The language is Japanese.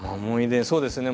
そうですね